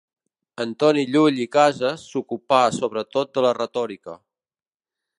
Antoni Llull i Cases s'ocupà sobretot de la retòrica.